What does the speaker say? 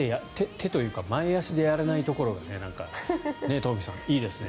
手というか前足でやらないところがトンフィさん、いいですね。